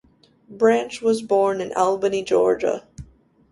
Branch was born in Albany, Georgia.